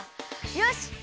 よし！